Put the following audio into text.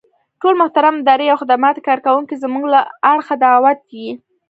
ټول محترم اداري او خدماتي کارکوونکي زمونږ له اړخه دعوت يئ.